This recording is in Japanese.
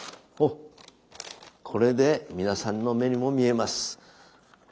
これで皆さんの目にも見えます。